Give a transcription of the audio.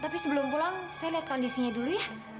tapi sebelum pulang saya lihat kondisinya dulu ya